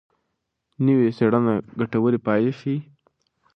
نوې څېړنه ګټورې پایلې ښيي.